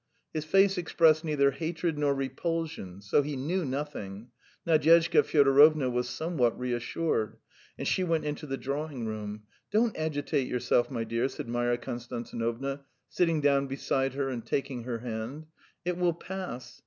His face expressed neither hatred nor repulsion: so he knew nothing; Nadyezhda Fyodorovna was somewhat reassured, and she went into the drawing room. "Don't agitate yourself, my dear!" said Marya Konstantinovna, sitting down beside her and taking her hand. "It will pass.